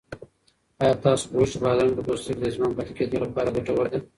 آیا تاسو پوهېږئ چې بادرنګ د پوستکي د ځوان پاتې کېدو لپاره ګټور دی؟